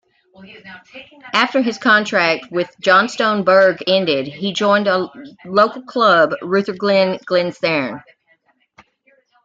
After his contract with Johnstone Burgh ended he joined local club Rutherglen Glencairn.